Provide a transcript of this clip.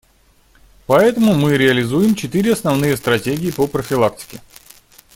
Поэтому мы реализуем четыре основные стратегии по профилактике.